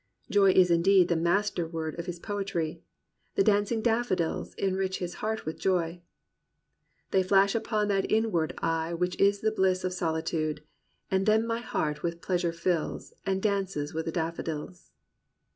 Joy is indeed the master word of his poetry. The dancing daffodils enrich his heart with joy. They flash upon that inward eye Which is the bliss of solitude; And then my heart with pleasure fills, And dances with the daffodils."